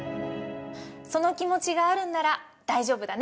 その気持ちがあるんなら大丈夫だね。